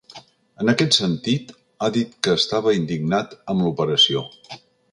En aquest sentit, ha dit que estava indignat amb l’operació.